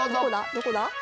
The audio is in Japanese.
どこだ？